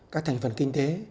các thành phần kinh tế